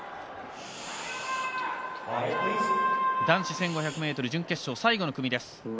男子１５００ｍ準決勝最後の組です。